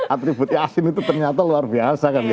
atribut yasin itu ternyata luar biasa kan gitu